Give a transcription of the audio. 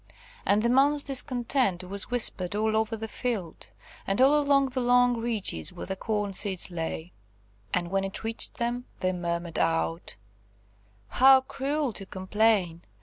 And the man's discontent was whispered all over the field, and all along the long ridges where the corn seeds lay; and when it reached them they murmured out, "How cruel to complain!